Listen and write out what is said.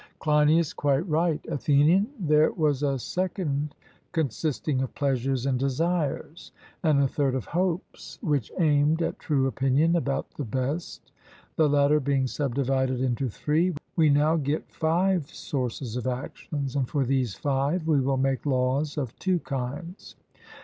CLEINIAS: Quite right. ATHENIAN: There was a second consisting of pleasures and desires, and a third of hopes, which aimed at true opinion about the best. The latter being subdivided into three, we now get five sources of actions, and for these five we will make laws of two kinds.